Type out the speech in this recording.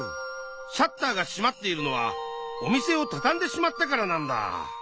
シャッターがしまっているのはお店をたたんでしまったからなんだ。